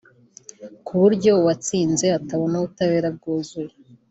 ku buryo uwatsinze atabona ubutabera bwuzuye